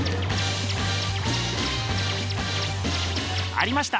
ありました。